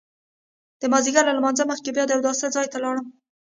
د مازیګر له لمانځه مخکې بیا د اوداسه ځای ته لاړم.